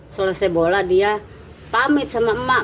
selesai bola dia pamit sama emak